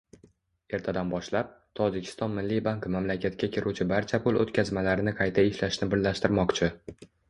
Ertadan boshlab, Tojikiston Milliy banki mamlakatga kiruvchi barcha pul o'tkazmalarini qayta ishlashni birlashtirmoqchi